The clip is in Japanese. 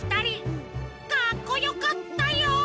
かっこよかったよ！